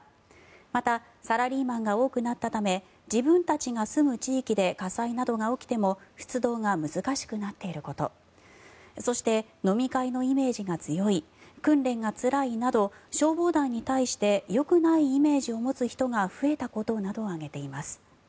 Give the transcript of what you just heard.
また、サラリーマンが多くなったため自分たちが住む地域で火災などが起きても出動が難しくなっていることそして、飲み会のイメージが強い訓練がつらいなど消防団に対してよくないイメージを持つ人が増えたことなどを挙げています。